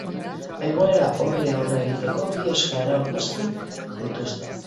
Egoera horri aurre egiteko, bi eskaera aurkeztu dituzte.